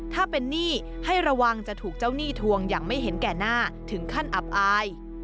ถ้าเป็นหนี้ให้ระวังจะถูกเจ้าหนี้ทวงอย่างไม่เห็นแก่หน้าถึงขั้นอับอาย